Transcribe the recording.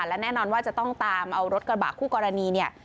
และแน่นอนว่าจะต้องตามเอารถกระบะคู่กรณีเนี่ย